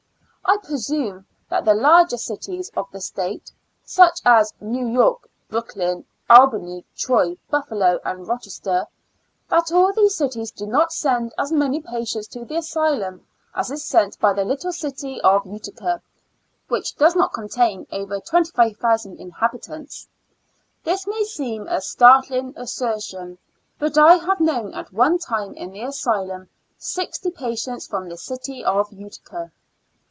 I presume that the large cities of the State, such as New York, Brooklyn, Albany, Troy, Bufialo and Rochester, that all these cities do not send as many patients to the asylum as is sent by the little city of Utica, which does not contain over 25,000 inhabitants ! This may seem a startling assertion, but I have known at one time in the asylum sixty patients from the city of Utica.